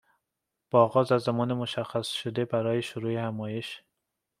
با آغاز از زمان مشخّصشده برای شروع همایش